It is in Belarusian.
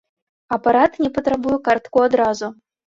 Апарат не патрабуе картку адразу.